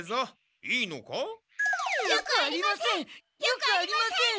よくありません！